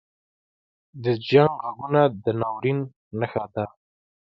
• د جنګ ږغونه د ناورین نښه ده.